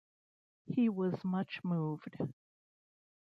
He was much moved.